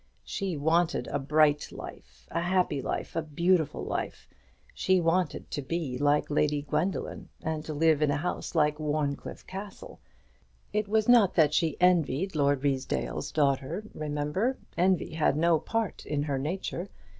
She wanted a bright life, a happy life, a beautiful life; she wanted to be like Lady Gwendoline, and to live in a house like Warncliffe Castle. It was not that she envied Lord Ruysdale's daughter, remember; envy had no part in her nature.